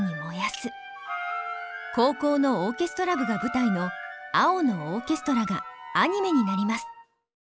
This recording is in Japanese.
高校のオーケストラ部が舞台の「青のオーケストラ」がアニメになります。